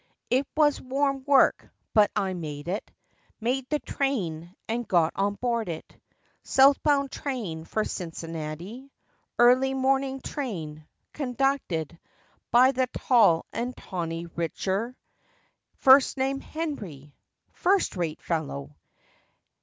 7 It was warm work, but I made it; Made the train, and got on board it— Southbound train for Cincinnati, Early morning train, conducted By the tall and tawny Richter— First name, Henry. First rate fellow!